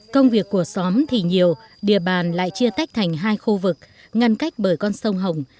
công việc của xóm thì nhiều địa bàn lại chia tách thành hai khu vực ngăn cách bởi con sông hồng